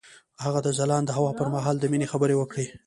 هغه د ځلانده هوا پر مهال د مینې خبرې وکړې.